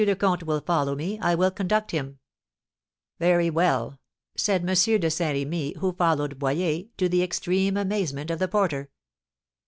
le Comte will follow me, I will conduct him " "Very well!" said M. de Saint Remy, who followed Boyer, to the extreme amazement of the porter.